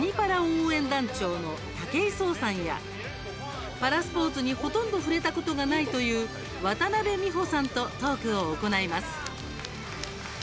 応援団長の武井壮さんやパラスポーツにほとんど触れたことがないという渡邉美穂さんとトークを行います。